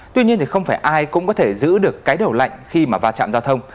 tuy nhiên thì không phải ai cũng có thể giữ được cái đầu lạnh khi mà va chạm giao thông